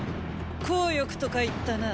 項翼とか言ったな。